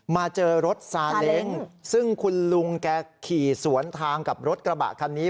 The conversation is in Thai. มาเจอรถซาเล้งซึ่งคุณลุงแกขี่สวนทางกับรถกระบะคันนี้